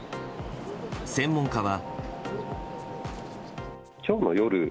専門家は。